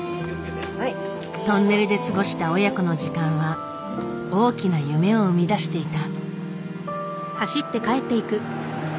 トンネルで過ごした親子の時間は大きな夢を生み出していた。